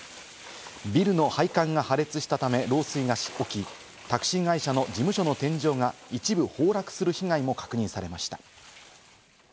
ビルの配管が破裂したため、漏水が起き、タクシー会社の事務所の天井が一部崩落する被害も確認されました。